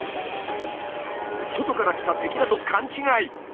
外から来た敵だと勘違い。